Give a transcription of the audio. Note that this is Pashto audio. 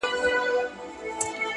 دا کيسه تل پوښتنه پرېږدي,